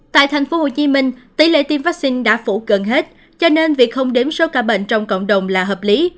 tại tp hcm tỷ lệ tiêm vaccine đã phủ gần hết cho nên việc không đếm số ca bệnh trong cộng đồng là hợp lý